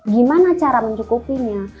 gimana cara mencukupinya